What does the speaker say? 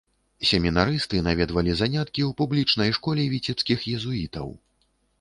Семінарысты наведвалі заняткі ў публічнай школе віцебскіх езуітаў.